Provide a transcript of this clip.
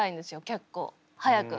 結構早く。